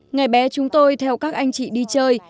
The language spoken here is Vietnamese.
ngày bé chúng tôi theo các anh chị đi chơi